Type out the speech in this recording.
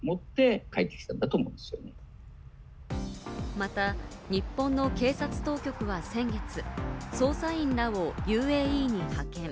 また、日本の警察当局は先月、捜査員らをＵＡＥに派遣。